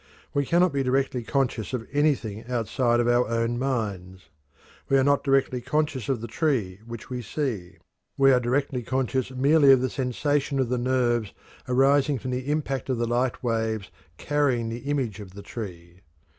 We cannot be directly conscious of anything outside of our own minds. We are not directly conscious of the tree which we see; we are directly conscious merely of the sensation of the nerves arising from the impact of the light waves carrying the image of the tree.